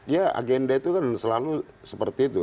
ya agenda itu kan selalu seperti itu